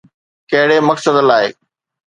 ڪهڙي مقصد لاءِ؟